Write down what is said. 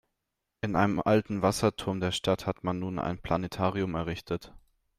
In einem alten Wasserturm der Stadt hat man nun ein Planetarium errichtet.